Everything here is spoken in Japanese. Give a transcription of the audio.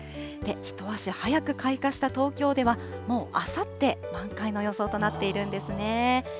一足早く開花した東京では、もうあさって、満開の予想となっているんですね。